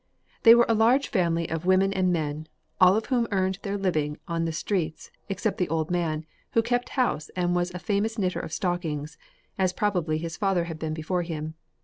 They were a large family of women and men, all of whom earned their living in other streets, except the old man, who kept house and was a famous knitter of stockings, as probably his father had been before him.